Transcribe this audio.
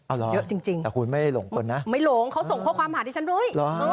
เอาหรอแต่คุณไม่หลงก่อนนะไม่หลงเขาส่งข้อความหาที่ฉันด้วย